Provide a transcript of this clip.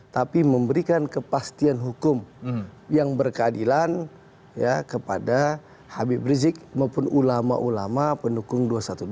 tapi memberikan kepastian hukum yang berkeadilan kepada habib rizik maupun ulama ulama pendukung dua ratus dua belas